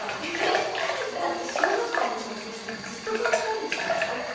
えっ？だって小学校の同級生にずっとからかわれてたんだよ。